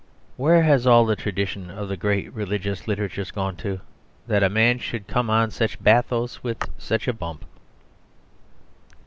Where has all the tradition of the great religious literatures gone to that a man should come on such a bathos with such a bump?